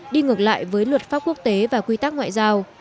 đi ngược lại với luật pháp quốc tế và quy tắc ngoại giao